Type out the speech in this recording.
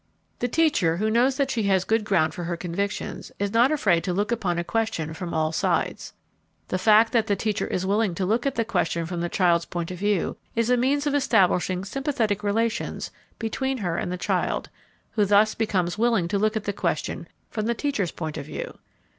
The teacher who knows that she has good ground for her convictions is not afraid to look upon a question from all sides. The fact that the teacher is willing to look at a question from the child's point of view is a means of establishing sympathetic relations between her and the child, who thus becomes willing to look at the question from the teacher's point of view.